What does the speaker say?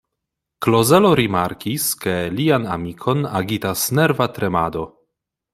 Klozelo rimarkis, ke lian amikon agitas nerva tremado.